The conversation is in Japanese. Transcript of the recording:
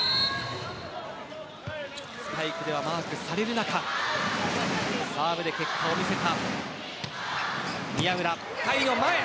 スパイクではマークされる中サーブで結果を見せた。